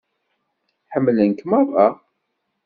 Ḥemmlen-k meṛṛa.